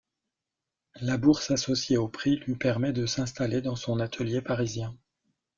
La bourse associée au prix lui permet de s'installer dans son atelier parisien.